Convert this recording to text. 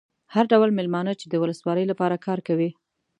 هر ډول مېلمانه چې د ولسوالۍ لپاره کار کوي.